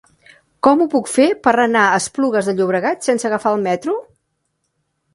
Com ho puc fer per anar a Esplugues de Llobregat sense agafar el metro?